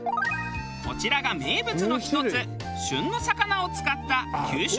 こちらが名物の一つ旬の魚を使った。